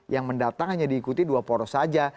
yang mendatang hanya diikuti dua poros saja